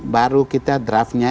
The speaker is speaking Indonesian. baru kita draftnya